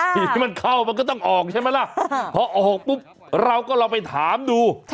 สิ่งที่มันเข้ามันก็ต้องออกใช่ไหมล่ะพอออกปุ๊บเราก็ลองไปถามดู